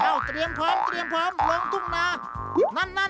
เอ้าเตรียมพร้อมลงทุ่งนา